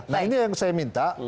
nah ini yang saya minta